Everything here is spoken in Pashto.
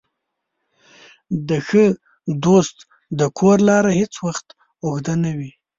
د ښه دوست د کور لاره هېڅ وخت اوږده نه وي.